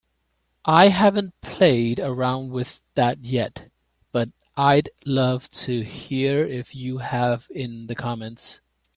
I haven't played around with that yet, but I'd love to hear if you have in the comments.